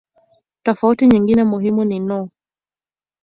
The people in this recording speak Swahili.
Tofauti nyingine muhimu ni no.